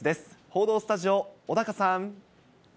報道スタジオ、小高さん。